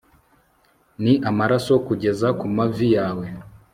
Ni amaraso kugeza kumavi yawe